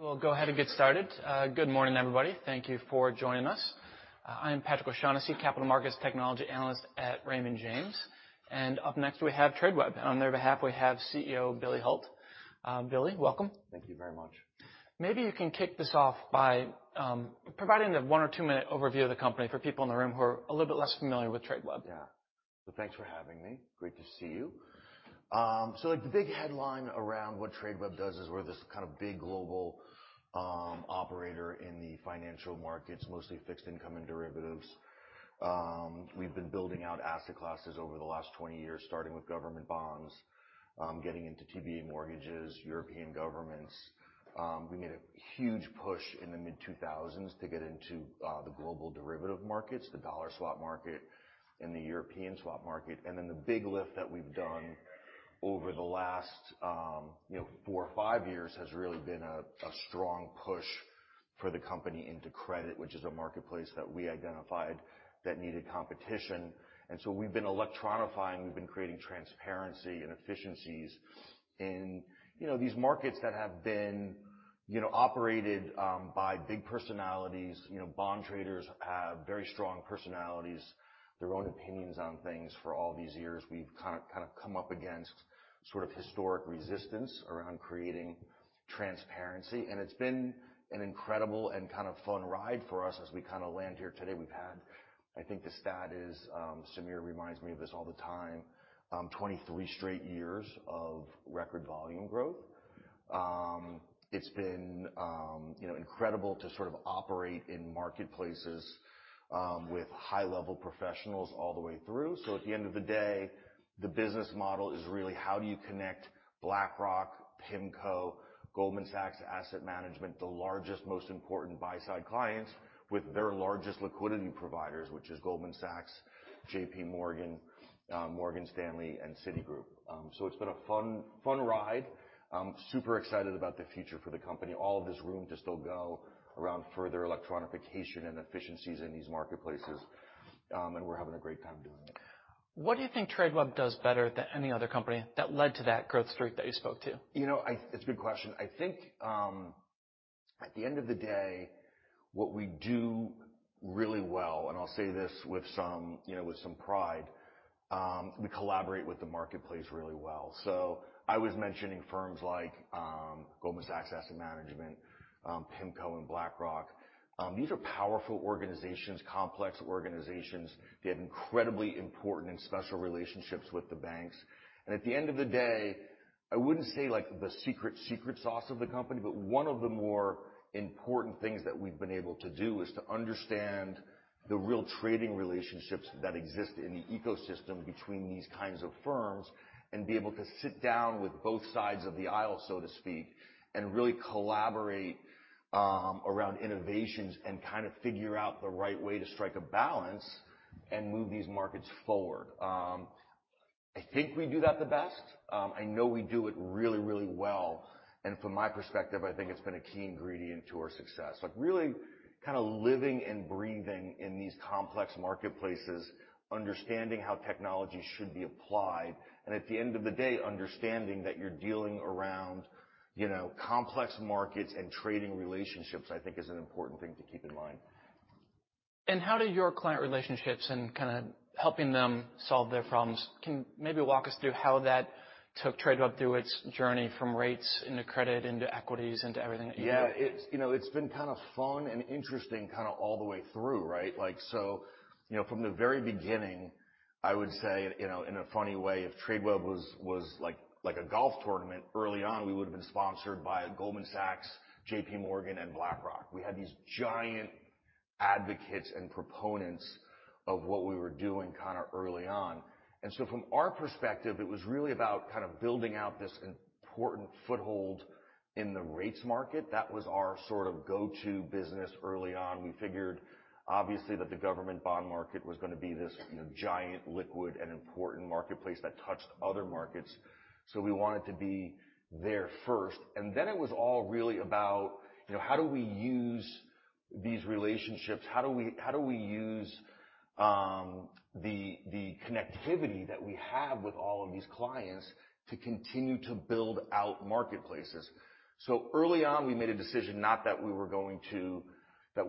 We'll go ahead and get started. Good morning, everybody. Thank you for joining us. I am Patrick O'Shaughnessy, Capital Markets Technology Analyst at Raymond James. Up next, we have Tradeweb. On their behalf, we have CEO Billy Hult. Billy, welcome. Thank you very much. Maybe you can kick this off by providing a one or two-minute overview of the company for people in the room who are a little bit less familiar with Tradeweb. Yeah. Thanks for having me. Great to see you. The big headline around what Tradeweb does is we're this kind of big global operator in the financial markets, mostly fixed income and derivatives. We've been building out asset classes over the last 20 years, starting with government bonds, getting into TBA mortgages, European governments. We made a huge push in the mid-2000s to get into the global derivative markets, the dollar swap market and the European swap market. The big lift that we've done over the last, you know, four or five years has really been a strong push for the company into credit, which is a marketplace that we identified that needed competition. We've been electronifying, we've been creating transparency and efficiencies in, you know, these markets that have been, you know, operated by big personalities. You know, bond traders have very strong personalities, their own opinions on things for all these years. We've kind of come up against sort of historic resistance around creating transparency, and it's been an incredible and kind of fun ride for us as we kind of land here today. We've had, I think the stat is, Samir reminds me of this all the time, 23 straight years of record volume growth. It's been, you know, incredible to sort of operate in marketplaces with high-level professionals all the way through. At the end of the day, the business model is really how do you connect BlackRock, PIMCO, Goldman Sachs Asset Management, the largest, most important buy-side clients with their largest liquidity providers, which is Goldman Sachs, JPMorgan, Morgan Stanley, and Citigroup. It's been a fun ride. I'm super excited about the future for the company. All of this room to still go around further electronification and efficiencies in these marketplaces. And we're having a great time doing it. What do you think Tradeweb does better than any other company that led to that growth streak that you spoke to? You know, it's a good question. I think, at the end of the day, what we do really well, and I'll say this with some, you know, with some pride, we collaborate with the marketplace really well. I was mentioning firms like Goldman Sachs Asset Management, PIMCO and BlackRock. These are powerful organizations, complex organizations. They have incredibly important and special relationships with the banks. At the end of the day, I wouldn't say like the secret sauce of the company, but one of the more important things that we've been able to do is to understand the real trading relationships that exist in the ecosystem between these kinds of firms and be able to sit down with both sides of the aisle, so to speak, and really collaborate around innovations and kind of figure out the right way to strike a balance and move these markets forward. I think we do that the best. I know we do it really, really well. From my perspective, I think it's been a key ingredient to our success. Like, really kind of living and breathing in these complex marketplaces, understanding how technology should be applied, and at the end of the day, understanding that you're dealing around, you know, complex markets and trading relationships, I think is an important thing to keep in mind. How do your client relationships and kind of helping them solve their problems? Maybe walk us through how that took Tradeweb through its journey from rates into credit, into equities, into everything that you do? Yeah. It's, you know, it's been kind of fun and interesting kind of all the way through, right? Like, so, you know, from the very beginning, I would say, you know, in a funny way, if Tradeweb was like a golf tournament early on, we would have been sponsored by Goldman Sachs, JPMorgan, and BlackRock. We had these giant advocates and proponents of what we were doing kind of early on. From our perspective, it was really about kind of building out this important foothold in the rates market. That was our sort of go-to business early on. We figured, obviously, that the government bond market was gonna be this, you know, giant liquid and important marketplace that touched other markets. So we wanted to be there first. Then it was all really about, you know, how do we use these relationships? How do we use the connectivity that we have with all of these clients to continue to build out marketplaces? Early on, we made a decision not that we weren't going to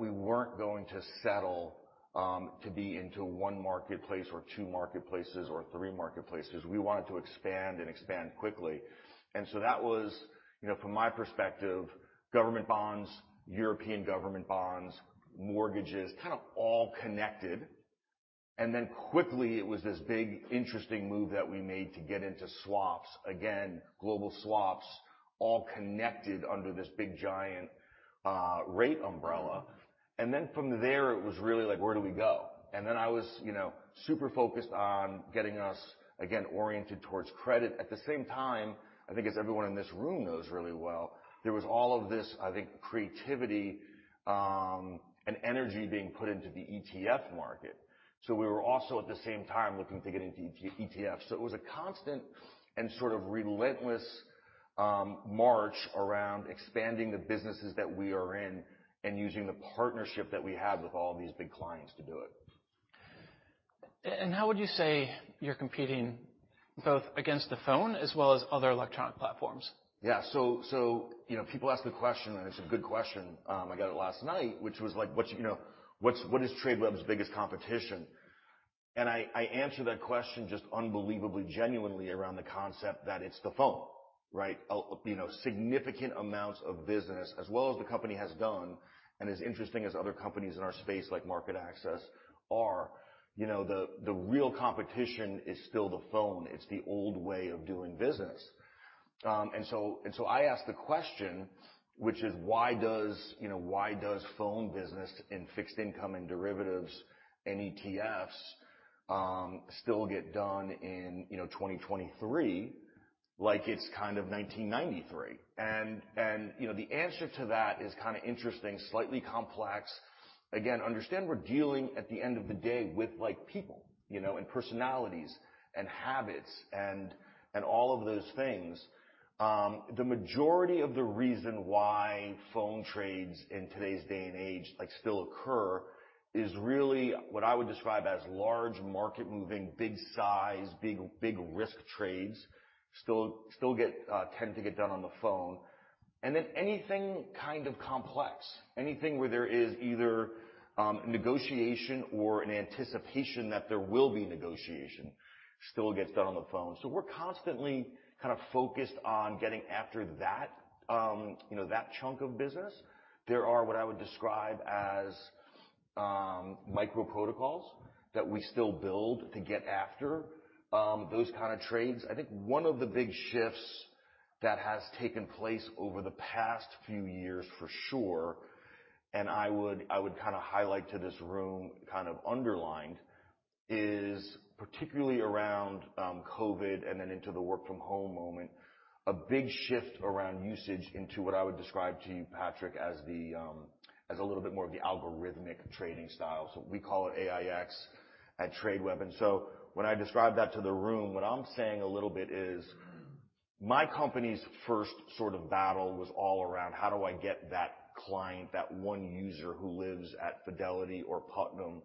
settle to be into one marketplace or two marketplaces or three marketplaces. We wanted to expand and expand quickly. That was, you know, from my perspective, government bonds, European government bonds, mortgages, kind of all connected. Quickly, it was this big, interesting move that we made to get into swaps. Again, global swaps all connected under this big, giant rate umbrella. From there, it was really like, where do we go? I was, you know, super focused on getting us again oriented towards credit. At the same time, I think as everyone in this room knows really well, there was all of this, I think, creativity, and energy being put into the ETF market. We were also at the same time looking to get into ETF. It was a constant and sort of relentless, march around expanding the businesses that we are in and using the partnership that we have with all these big clients to do it. How would you say you're competing both against the phone as well as other electronic platforms? Yeah. You know, people ask the question, and it's a good question, I got it last night, which was like, "What you know, what is Tradeweb's biggest competition?" I answer that question just unbelievably genuinely around the concept that it's the phone, right? You know, significant amounts of business, as well as the company has done, and as interesting as other companies in our space like MarketAxess are, you know, the real competition is still the phone. It's the old way of doing business. I ask the question, which is why does, you know, why does phone business in fixed income and derivatives and ETFs still get done in, you know, 2023 like it's kind of 1993? You know, the answer to that is kinda interesting, slightly complex. Again, understand we're dealing at the end of the day with, like, people, you know, and personalities and habits and all of those things. The majority of the reason why phone trades in today's day and age, like, still occur is really what I would describe as large market-moving, big size, big risk trades still tend to get done on the phone. Anything kind of complex, anything where there is either negotiation or an anticipation that there will be negotiation still gets done on the phone. We're constantly kind of focused on getting after that, you know, that chunk of business. There are what I would describe as micro protocols that we still build to get after those kind of trades. I think one of the big shifts that has taken place over the past few years, for sure, and I would, I would kinda highlight to this room, kind of underlined, is particularly around COVID and then into the work from home moment, a big shift around usage into what I would describe to you, Patrick, as the as a little bit more of the algorithmic trading style. We call it AiEX at Tradeweb. When I describe that to the room, what I'm saying a little bit is my company's first sort of battle was all around how do I get that client, that one user who lives at Fidelity or Putnam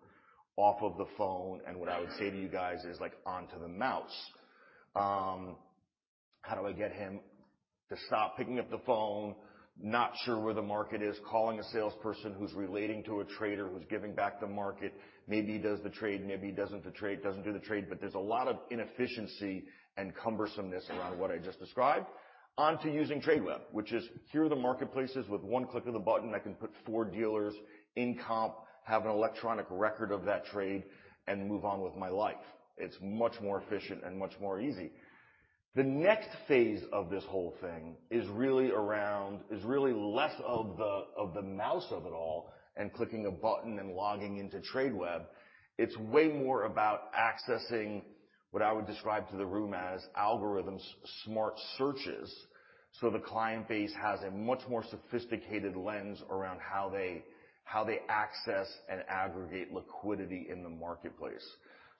off of the phone, and what I would say to you guys is, like, onto the mouse. How do I get him to stop picking up the phone, not sure where the market is, calling a salesperson who's relating to a trader who's giving back the market. Maybe he does the trade, maybe he doesn't do the trade. There's a lot of inefficiency and cumbersomeness around what I just described. Onto using Tradeweb, which is here are the marketplaces. With one click of the button, I can put four dealers in comp, have an electronic record of that trade, and move on with my life. It's much more efficient and much more easy. The next phase of this whole thing is really less of the, of the mouse of it all and clicking a button and logging into Tradeweb. It's way more about accessing what I would describe to the room as algorithms, smart searches. The client base has a much more sophisticated lens around how they access and aggregate liquidity in the marketplace.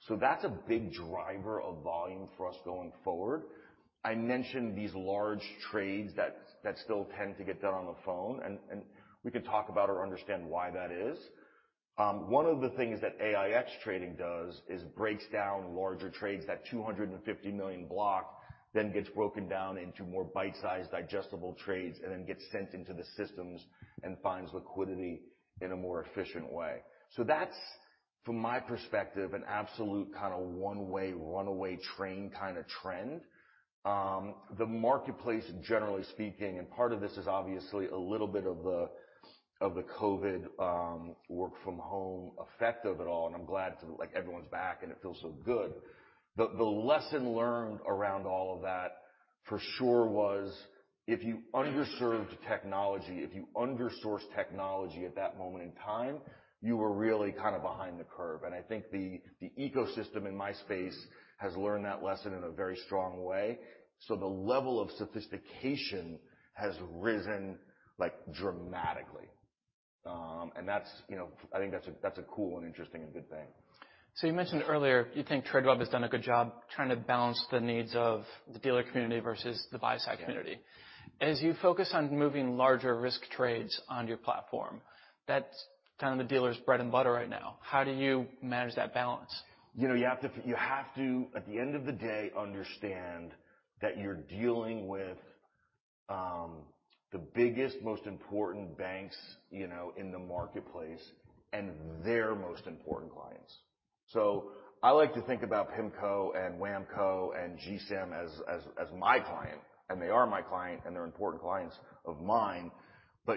That's a big driver of volume for us going forward. I mentioned these large trades that still tend to get done on the phone, and we can talk about or understand why that is. One of the things that AiEX trading does is breaks down larger trades. That $250 million block then gets broken down into more bite-sized, digestible trades and then gets sent into the systems and finds liquidity in a more efficient way. That's, from my perspective, an absolute kinda one-way runaway train kinda trend. The marketplace, generally speaking, and part of this is obviously a little bit of the, of the COVID, work from home effect of it all, and I'm glad like everyone's back, and it feels so good. The, the lesson learned around all of that, for sure, was if you underserved technology, if you undersourced technology at that moment in time, you were really kind of behind the curve. I think the ecosystem in my space has learned that lesson in a very strong way. The level of sophistication has risen, like, dramatically. And that's, you know, I think that's a, that's a cool and interesting and good thing. You mentioned earlier you think Tradeweb has done a good job trying to balance the needs of the dealer community versus the buy-side community. Yeah. As you focus on moving larger risk trades on your platform, that's kind of the dealer's bread and butter right now. How do you manage that balance? You know, you have to, at the end of the day, understand that you're dealing with the biggest, most important banks, you know, in the marketplace and their most important clients. I like to think about PIMCO and WAMCO and GSAM as my client, and they are my client, and they're important clients of mine.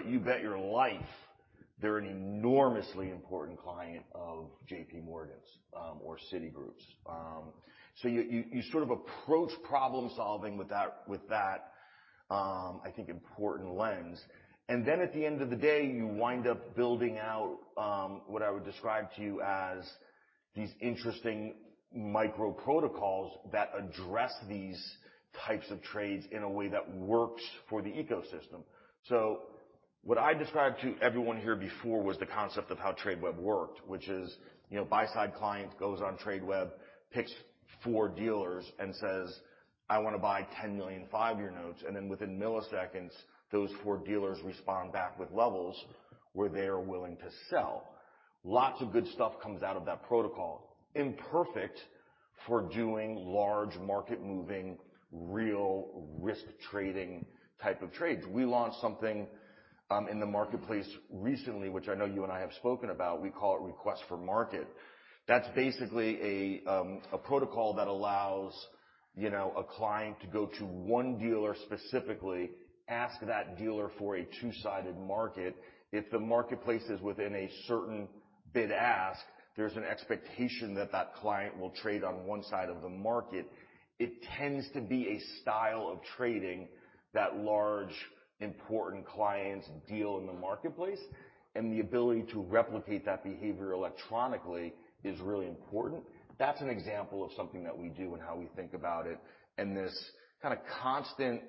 You bet your life they're an enormously important client of JPMorgan's or Citigroup's. You sort of approach problem-solving with that, with that, I think, important lens. At the end of the day, you wind up building out what I would describe to you as these interesting micro protocols that address these types of trades in a way that works for the ecosystem. What I described to everyone here before was the concept of how Tradeweb worked, which is, you know, buy-side client goes on Tradeweb, picks four dealers and says, "I wanna buy $10 million five-year notes." Within milliseconds, those four dealers respond back with levels where they are willing to sell. Lots of good stuff comes out of that protocol. Imperfect for doing large market moving, real risk trading type of trades. We launched something in the marketplace recently, which I know you and I have spoken about. We call it Request for Market. That's basically a protocol that allows, you know, a client to go to one dealer specifically, ask that dealer for a two-sided market. If the marketplace is within a certain bid-ask, there's an expectation that that client will trade on one side of the market. It tends to be a style of trading that large important clients deal in the marketplace, and the ability to replicate that behavior electronically is really important. That's an example of something that we do and how we think about it. This kinda constant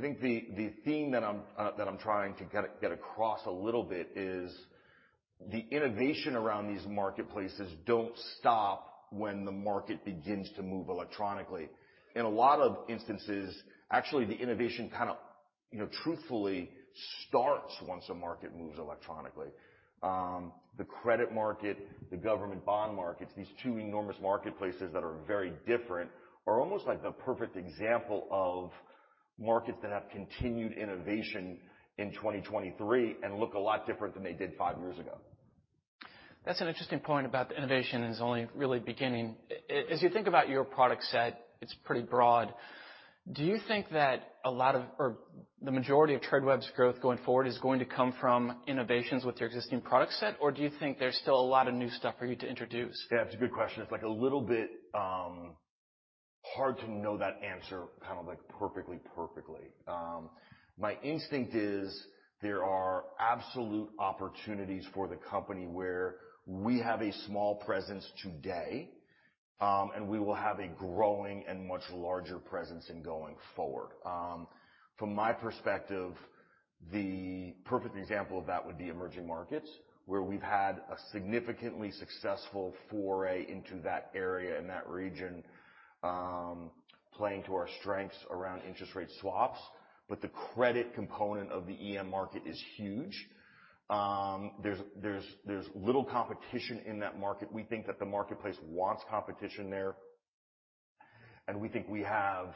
theme that I'm trying to get across a little bit is the innovation around these marketplaces don't stop when the market begins to move electronically. In a lot of instances, actually, the innovation kinda, you know, truthfully starts once a market moves electronically. The credit market, the government bond markets, these two enormous marketplaces that are very different, are almost like the perfect example of markets that have continued innovation in 2023 and look a lot different than they did five years ago. That's an interesting point about the innovation is only really beginning. As you think about your product set, it's pretty broad. Do you think that the majority of Tradeweb's growth going forward is going to come from innovations with your existing product set? Or do you think there's still a lot of new stuff for you to introduce? Yeah, it's a good question. It's, like, a little bit hard to know that answer kind of, like, perfectly. My instinct is there are absolute opportunities for the company where we have a small presence today, and we will have a growing and much larger presence in going forward. From my perspective, the perfect example of that would be emerging markets, where we've had a significantly successful foray into that area and that region, playing to our strengths around interest rate swaps, but the credit component of the EM market is huge. There's little competition in that market. We think that the marketplace wants competition there, and we think we have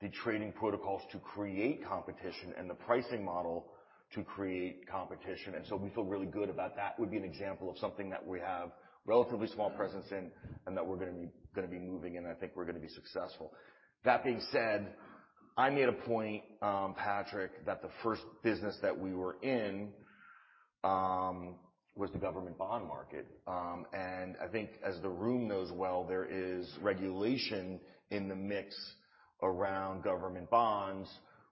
the trading protocols to create competition and the pricing model to create competition. We feel really good about that would be an example of something that we have relatively small presence in and that we're gonna be moving in. I think we're gonna be successful. That being said, I made a point, Patrick, that the first business that we were in, was the government bond market. I think as the room knows well, there is regulation in the mix around government bonds,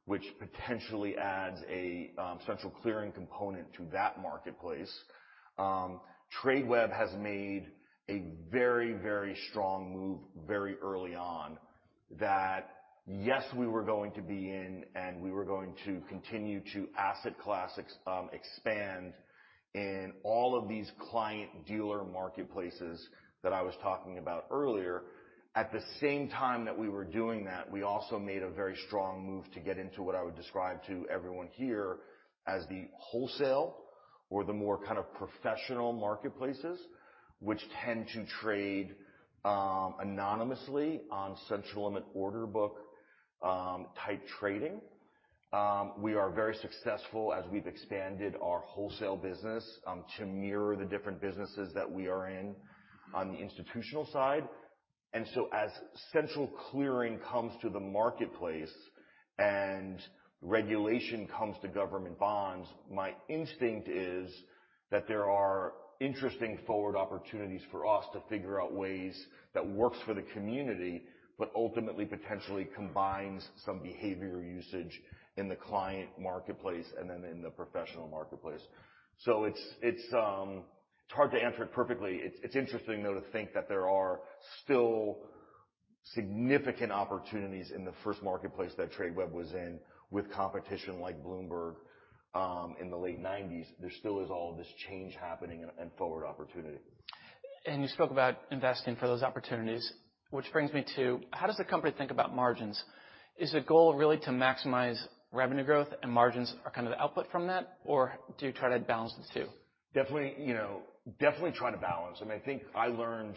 which potentially adds a special clearing component to that marketplace. Tradeweb has made a very, very strong move very early on that, yes, we were going to be in, and we were going to continue to asset class, expand in all of these client-dealer marketplaces that I was talking about earlier. At the same time that we were doing that, we also made a very strong move to get into what I would describe to everyone here as the wholesale or the more kind of professional marketplaces, which tend to trade anonymously on central limit order book type trading. We are very successful as we've expanded our wholesale business to mirror the different businesses that we are in on the institutional side. As central clearing comes to the marketplace and regulation comes to government bonds, my instinct is that there are interesting forward opportunities for us to figure out ways that works for the community, but ultimately potentially combines some behavior usage in the client marketplace and then in the professional marketplace. It's hard to answer it perfectly. It's interesting, though, to think that there are still significant opportunities in the first marketplace that Tradeweb was in with competition like Bloomberg, in the late 1990s. There still is all this change happening and forward opportunity. You spoke about investing for those opportunities, which brings me to, how does the company think about margins? Is the goal really to maximize revenue growth, and margins are kind of the output from that? Or do you try to balance the two? Definitely, you know, definitely try to balance. I mean, I think I learned,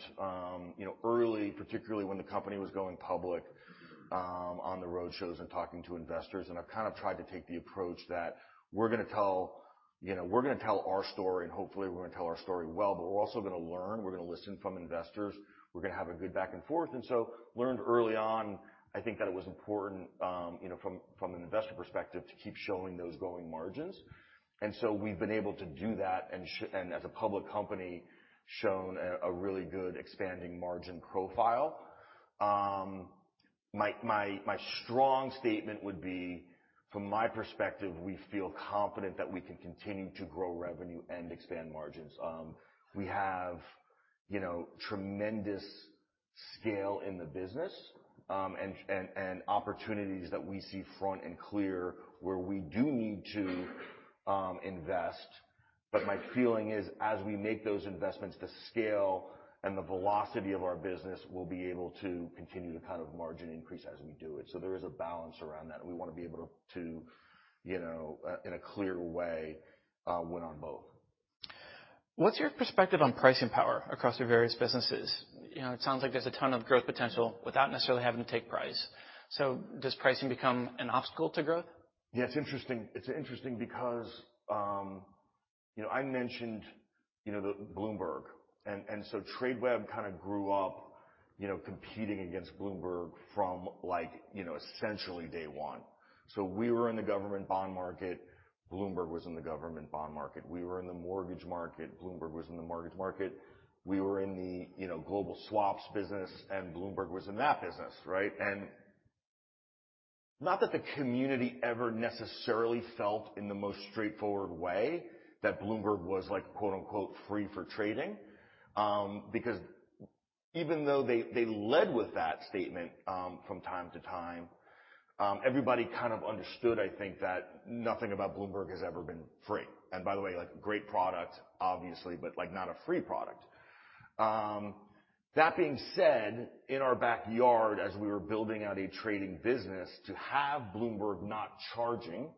you know, early, particularly when the company was going public, on the roadshows and talking to investors. I've kind of tried to take the approach that we're gonna tell. You know, we're gonna tell our story and hopefully we're gonna tell our story well, but we're also gonna learn. We're gonna listen from investors. We're gonna have a good back and forth. Learned early on, I think that it was important, you know, from an investor perspective to keep showing those growing margins. We've been able to do that and as a public company, shown a really good expanding margin profile. My strong statement would be, from my perspective, we feel confident that we can continue to grow revenue and expand margins. We have, you know, tremendous scale in the business, and opportunities that we see front and clear where we do need to, invest. My feeling is as we make those investments, the scale and the velocity of our business will be able to continue to kind of margin increase as we do it. There is a balance around that. We wanna be able to, you know, in a clear way, win on both. What's your perspective on pricing power across your various businesses? You know, it sounds like there's a ton of growth potential without necessarily having to take price. Does pricing become an obstacle to growth? Yeah, it's interesting. It's interesting because, you know, I mentioned, you know, the Bloomberg. Tradeweb kind of grew up, you know, competing against Bloomberg from like, you know, essentially day one. We were in the government bond market, Bloomberg was in the government bond market. We were in the mortgage market, Bloomberg was in the mortgage market. We were in the, you know, global swaps business, and Bloomberg was in that business, right? Not that the community ever necessarily felt in the most straightforward way that Bloomberg was like quote unquote, "free for trading." Because even though they led with that statement, from time to time, everybody kind of understood, I think that nothing about Bloomberg has ever been free. By the way, like great product obviously, but like not a free product. That being said, in our backyard, as we were building out a trading business to have Bloomberg not charging,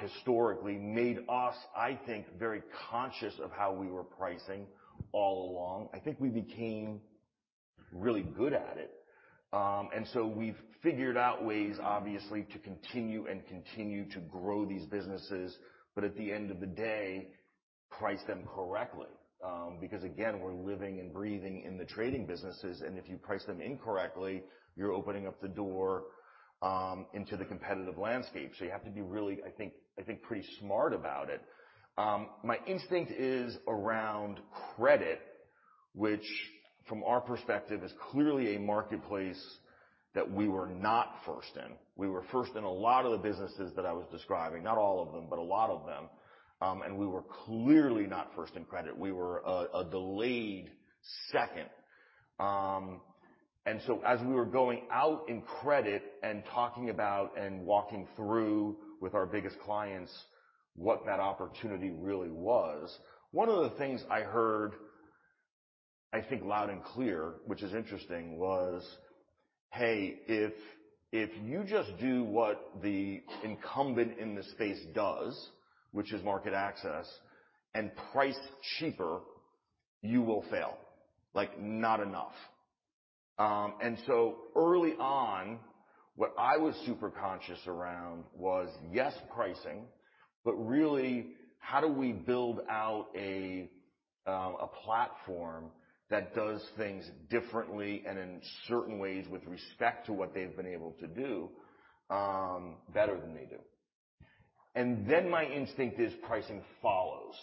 historically made us, I think, very conscious of how we were pricing all along. I think we became really good at it. We've figured out ways, obviously, to continue and continue to grow these businesses, but at the end of the day, price them correctly. Again, we're living and breathing in the trading businesses, and if you price them incorrectly, you're opening up the door, into the competitive landscape. You have to be really, I think pretty smart about it. My instinct is around credit, which from our perspective is clearly a marketplace that we were not first in. We were first in a lot of the businesses that I was describing, not all of them, but a lot of them. We were clearly not first in credit. We were a delayed second. As we were going out in credit and talking about and walking through with our biggest clients, what that opportunity really was, one of the things I heard, I think loud and clear, which is interesting, was, hey, if you just do what the incumbent in this space does, which is MarketAxess, and price cheaper, you will fail. Like not enough. Early on, what I was super conscious around was, yes, pricing, but really how do we build out a platform that does things differently and in certain ways with respect to what they've been able to do, better than they do. My instinct is pricing follows.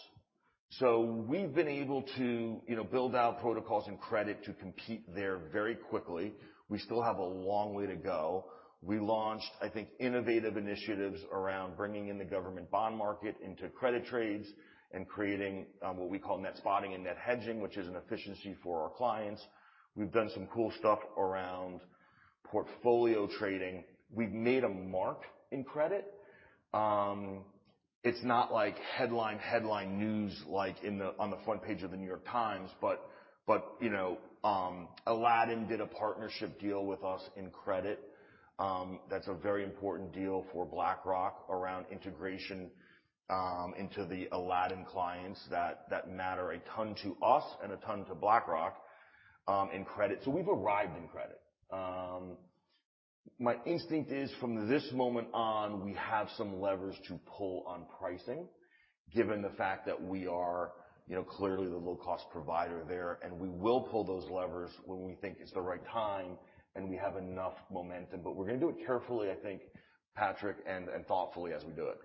We've been able to, you know, build out protocols and credit to compete there very quickly. We still have a long way to go. We launched, I think, innovative initiatives around bringing in the government bond market into credit trades and creating, what we call Net Spotting and Net Hedging, which is an efficiency for our clients. We've done some cool stuff around Portfolio Trading. We've made a mark in credit. It's not like headline news, like in the, on the front page of The New York Times, but, you know, Aladdin did a partnership deal with us in credit, that's a very important deal for BlackRock around integration, into the Aladdin clients that matter a ton to us and a ton to BlackRock, in credit. We've arrived in credit. My instinct is from this moment on, we have some levers to pull on pricing given the fact that we are, you know, clearly the low-cost provider there, and we will pull those levers when we think it's the right time and we have enough momentum. We're gonna do it carefully, I think, Patrick, and thoughtfully as we do it.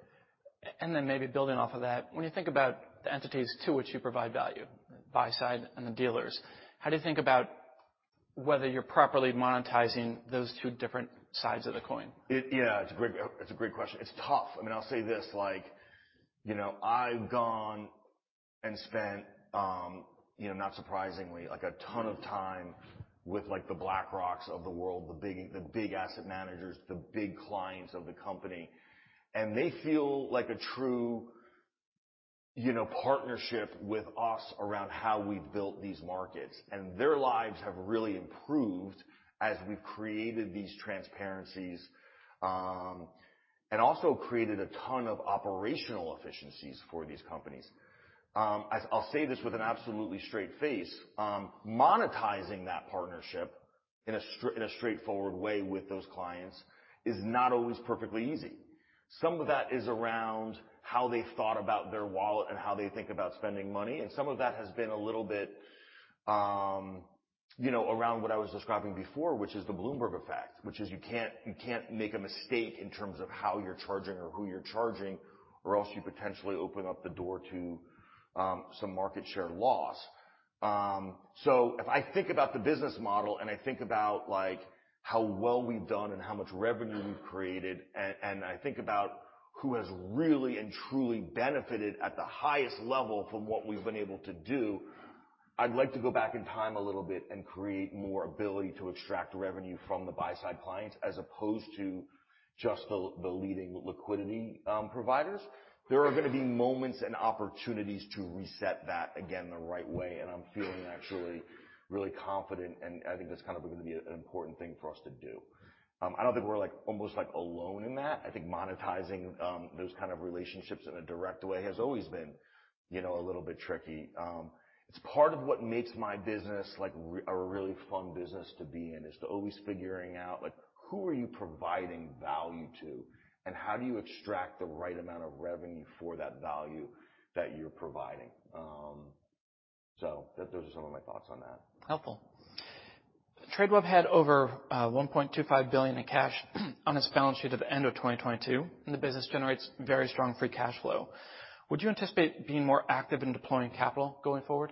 Maybe building off of that, when you think about the entities to which you provide value, buy-side and the dealers, how do you think about whether you're properly monetizing those two different sides of the coin? Yeah, it's a great question. It's tough. I mean, I'll say this like, you know, I've gone and spent, you know, not surprisingly, like a ton of time with like the BlackRocks of the world, the big asset managers, the big clients of the company. They feel like a true, you know, partnership with us around how we've built these markets. Their lives have really improved as we've created these transparencies and also created a ton of operational efficiencies for these companies. I'll say this with an absolutely straight face, monetizing that partnership in a straightforward way with those clients is not always perfectly easy. Some of that is around how they thought about their wallet and how they think about spending money, and some of that has been a little bit, you know, around what I was describing before, which is the Bloomberg effect, which is you can't make a mistake in terms of how you're charging or who you're charging or else you potentially open up the door to some market share loss. If I think about the business model, and I think about like how well we've done and how much revenue we've created, and I think about who has really and truly benefited at the highest level from what we've been able to do, I'd like to go back in time a little bit and create more ability to extract revenue from the buy-side clients as opposed to just the leading liquidity providers. There are gonna be moments and opportunities to reset that again the right way, and I'm feeling actually really confident, and I think that's kind of gonna be an important thing for us to do. I don't think we're, like, almost, like, alone in that. I think monetizing, those kind of relationships in a direct way has always been, you know, a little bit tricky. It's part of what makes my business, like, a really fun business to be in, is to always figuring out, like, who are you providing value to, and how do you extract the right amount of revenue for that value that you're providing? Those are some of my thoughts on that. Helpful. Tradeweb had over $1.25 billion in cash on its balance sheet at the end of 2022, and the business generates very strong free cash flow. Would you anticipate being more active in deploying capital going forward?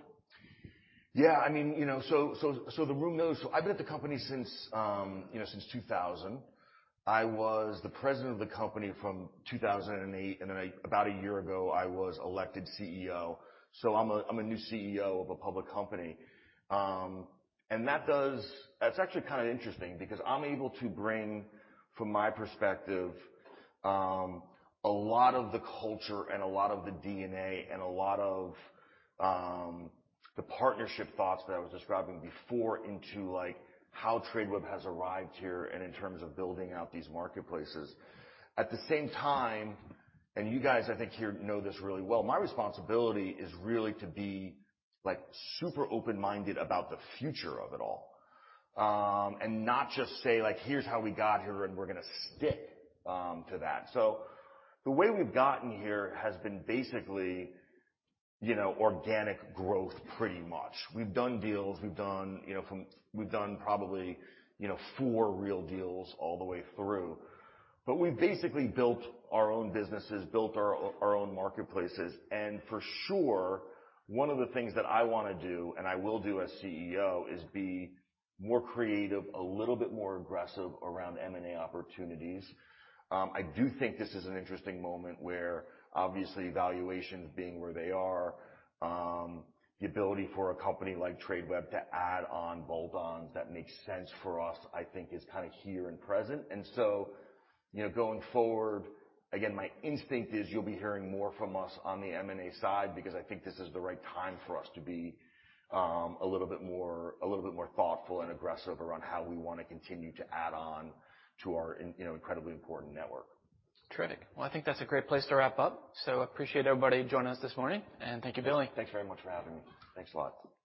I mean, you know, so the room knows, so I've been at the company since, you know, since 2000. I was the President of the company from 2008, about a year ago, I was elected CEO. I'm a new CEO of a public company. That's actually kind of interesting because I'm able to bring, from my perspective, a lot of the culture and a lot of the DNA and a lot of the partnership thoughts that I was describing before into, like, how Tradeweb has arrived here and in terms of building out these marketplaces. At the same time, you guys, I think, here know this really well, my responsibility is really to be, like, super open-minded about the future of it all, and not just say, like, "Here's how we got here, and we're gonna stick to that." The way we've gotten here has been basically, you know, organic growth pretty much. We've done deals. We've done, you know, We've done probably, you know, four real deals all the way through. We've basically built our own businesses, built our own marketplaces. For sure, one of the things that I wanna do, and I will do as CEO, is be more creative, a little bit more aggressive around M&A opportunities. I do think this is an interesting moment where obviously valuations being where they are, the ability for a company like Tradeweb to add on bolt-ons that make sense for us, I think, is kind of here and present. You know, going forward, again, my instinct is you'll be hearing more from us on the M&A side because I think this is the right time for us to be a little bit more thoughtful and aggressive around how we wanna continue to add on to our you know, incredibly important network. Terrific. Well, I think that's a great place to wrap up. Appreciate everybody joining us this morning, and thank you, Billy. Thanks very much for having me. Thanks a lot.